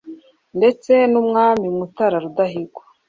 ndetse n'umwami Mutara Rudahigwa.